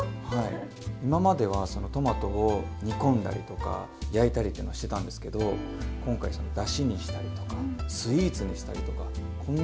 今まではそのトマトを煮込んだりとか焼いたりっていうのはしてたんですけど今回そのだしにしたりとかスイーツにしたりとかこんなにトマトの活用